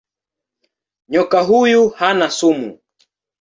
Nyoka huyu hana sumu.